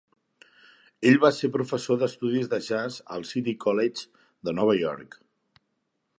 Ell va ser professor d'estudis de jazz al City College de Nova York.